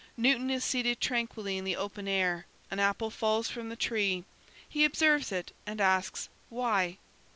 Newton is seated tranquilly in the open air; an apple falls from the tree, he observes it and asks, "Why?"